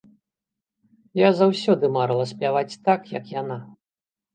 Я заўсёды марыла спяваць так, як яна.